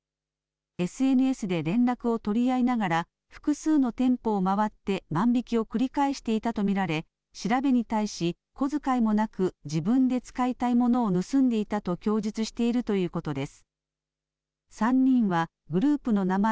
ＳＮＳで連絡を取り合いながら、複数の店舗を回って万引きを繰り返していたと見られ、調べに対し、小遣いもなく、自分で使いたいものを盗んでいたと供述しているということです。